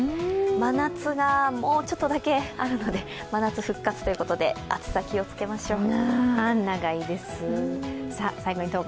真夏がもうちょっとだけあるので、真夏復活ということで暑さ、気をつけましょう。